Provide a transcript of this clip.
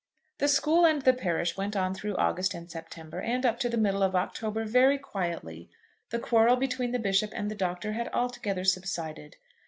THE school and the parish went on through August and September, and up to the middle of October, very quietly. The quarrel between the Bishop and the Doctor had altogether subsided.